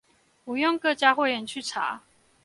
不用各家會員去查